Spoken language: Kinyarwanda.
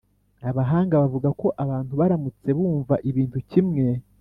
abahanga bavuga ko abantu baramutse bumva ibintu kimwe